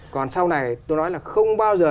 còn sau này tôi nói là không bao giờ